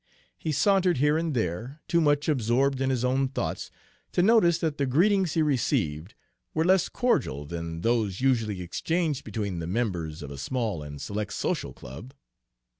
He sauntered here and there, too much absorbed in his own thoughts to notice that the greetings he received were less cordial than those usually exchanged between the members of a small and select social club.